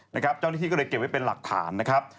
นะครับเจ้านิฐีก็เลยเก็บไว้เป็นหลักฐานนะครับ